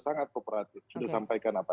sangat kooperatif sudah sampaikan apa